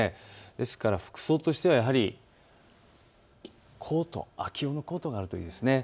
ですから服装としてはやはり秋用のコートがあるといいです。